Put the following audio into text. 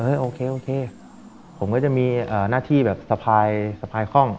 โอเคโอเคผมก็จะมีหน้าที่แบบสะพายสะพายคล่อง